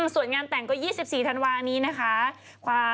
ส่วนงานแต่งก็๒๔ธันวานี้นะคะ